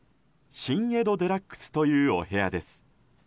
新江戸デラックスというお部屋です。